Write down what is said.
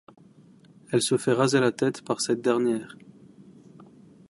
Elle se fait raser la tête par cette dernière.